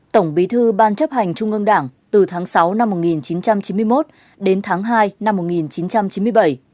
tổng bí thư ban chấp hành trung ương đảng từ tháng sáu năm một nghìn chín trăm chín mươi một đến tháng hai năm một nghìn chín trăm chín mươi bảy